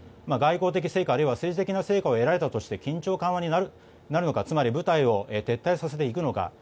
外交的成果あるいは政治的な成果を得られたとして緊張緩和になるのかつまり部隊を撤退させていくのか